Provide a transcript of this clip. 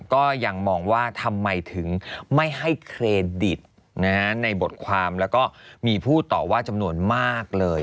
ก็ยังมองว่าทำไมถึงไม่ให้เครดิตในบทความแล้วก็มีผู้ต่อว่าจำนวนมากเลย